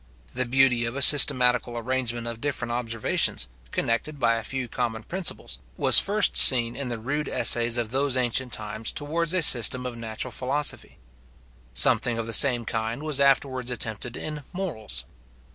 The beauty of a systematical arrangement of different observations, connected by a few common principles, was first seen in the rude essays of those ancient times towards a system of natural philosophy. Something of the same kind was afterwards attempted in morals.